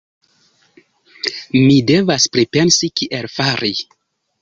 Mi devas pripensi kiel fari.